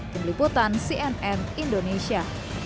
kembeliputan cnn indonesia